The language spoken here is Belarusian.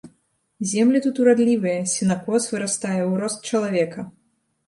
Землі тут урадлівыя, сенакос вырастае ў рост чалавека.